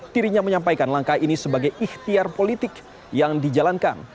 dirinya menyampaikan langkah ini sebagai ikhtiar politik yang dijalankan